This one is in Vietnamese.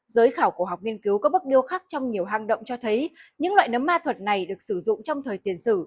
giới khảo cổ học nghiên cứu có bức điêu khác trong nhiều hang động cho thấy những loại nấm ma thuật này được sử dụng trong thời tiền sử